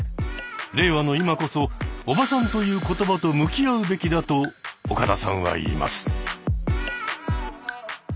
令和の今こそ「おばさん」という言葉と向き合うべきだと岡田さんは言います。